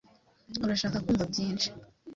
Urashaka kumva byinshi?